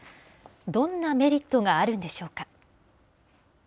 どんなメリットがあるんでしょうか。